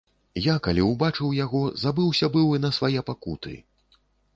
Я, калі ўбачыў яго, забыўся быў і на свае пакуты.